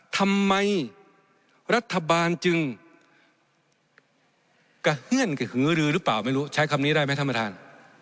ทำไมรัฐบาลจึงกระเฮื้นกระหือรือหรือเปล่าไม่รู้ใช้คำนี้ได้ไหมท่านประธาน